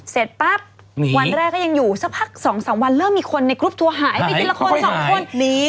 เสร็จปั๊บวันแรกก็ยังอยู่สักพัก๒๓วันเริ่มมีคนในกรุ๊ปทัวร์หายไปทีละคนสองคนนี้